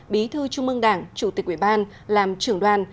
bí thư trung mương đảng chủ tịch ủy ban làm trưởng đoàn